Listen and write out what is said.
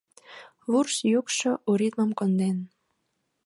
Вурс йӱкшӧ у ритмым конден.